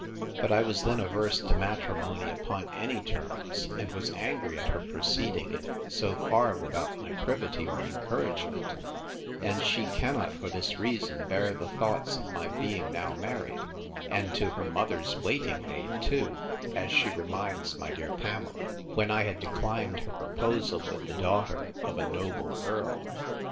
But I was then averse to matrimony upon any terms; and was angry at her proceeding in it so far without my privity or encouragement: And she cannot, for this reason, bear the thoughts of my being now married, and to her mother's waiting maid too, as she reminds my dear Pamela, when I had declined her proposal with the daughter of a noble earl.